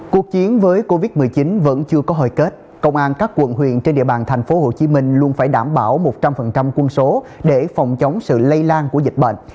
cuộc chiến với covid một mươi chín vẫn chưa có hồi kết công an các quận huyện trên địa bàn thành phố hồ chí minh luôn phải đảm bảo một trăm linh quân số để phòng chống sự lây lan của dịch bệnh